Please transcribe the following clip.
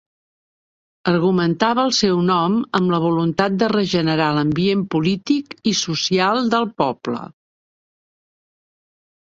Argumentava el seu nom amb la voluntat de regenerar l'ambient polític i social del poble.